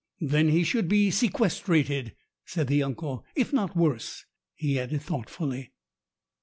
"Then he should be sequestrated," said the uncle. "If not worse," he added thoughtfully.